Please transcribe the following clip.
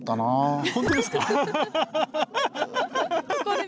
はい。